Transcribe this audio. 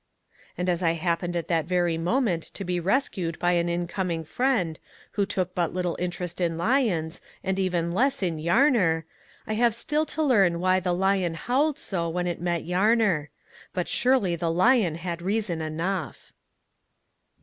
And as I happened at that very moment to be rescued by an incoming friend, who took but little interest in lions, and even less in Yarner, I have still to learn why the lion howled so when it met Yarner. But surely the lion had reason enough.